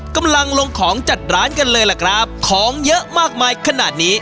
กำลังลงของจัดร้านกันเลยล่ะครับของเยอะมากมายขนาดนี้